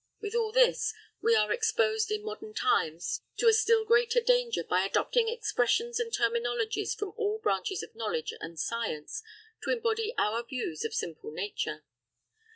With all this, we are exposed in modern times to a still greater danger by adopting expressions and terminologies from all branches of knowledge and science to embody our views of simple nature.